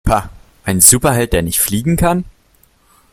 Pah, ein Superheld, der nicht fliegen kann!